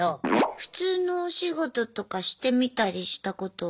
普通のお仕事とかしてみたりしたことあったんですか？